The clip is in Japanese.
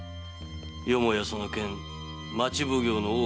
よもやその件町奉行の大岡の耳には？